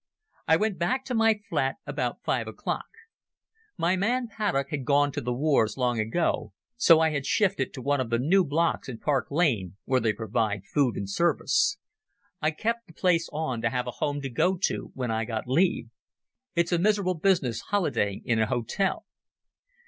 I went back to my flat about five o'clock. My man Paddock had gone to the wars long ago, so I had shifted to one of the new blocks in Park Lane where they provide food and service. I kept the place on to have a home to go to when I got leave. It's a miserable business holidaying in an hotel.